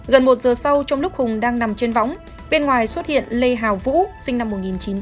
gần một giờ sau trong lúc hùng đang nằm trên võng bên ngoài xuất hiện lê hào vũ sinh năm một nghìn chín trăm bảy mươi